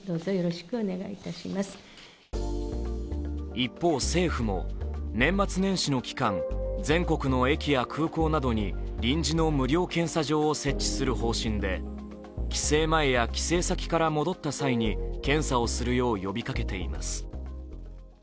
一方、政府も年末年始の期間、全国の駅や空港などに臨時の無料検査場を設置する方針で帰省前や帰省先から戻った際に検査をするよう呼びかけています。